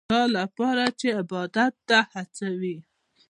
دا لپاره چې عبادت ته هڅوي.